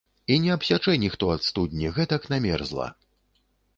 І не абсячэ ніхто ад студні, гэтак намерзла!